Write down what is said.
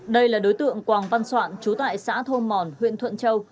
đây là đối tượng quảng văn soạn trú tại xã thôn mòn huyện thuận châu